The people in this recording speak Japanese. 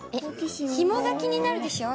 ひもが気になるでしょ？